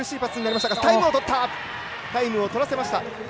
タイムをとらせました。